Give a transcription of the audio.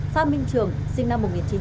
phạm minh trường sinh viên công an tỉnh bạc liêu